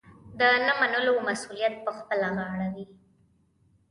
د نه منلو مسوولیت پخپله غاړه وي.